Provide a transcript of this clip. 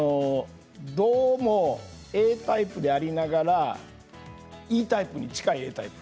どうもＡタイプでありながらＥタイプに近いＡタイプ。